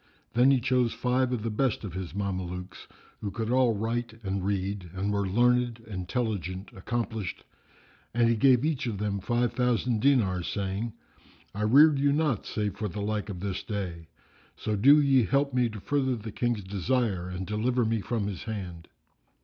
Then he chose five of the best of his Mamelukes, who could all write and read and were learned, intelligent, accomplished; and he gave each of them five thousand dinars, saying, "I reared you not save for the like of this day; so do ye help me to further the King's desire and deliver me from his hand."